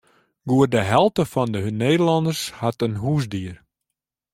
Goed de helte fan de Nederlanners hat in húsdier.